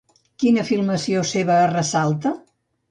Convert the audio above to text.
Quina filmació seva es ressalta?